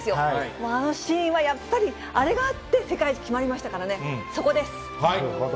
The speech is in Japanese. もうあのシーンはやっぱり、あれがあって、世界一決まりましなるほど。